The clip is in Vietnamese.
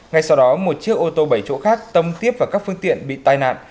ngay sau đó một chiếc ô tô bảy chỗ khác tông tiếp vào các phương tiện bị tai nạn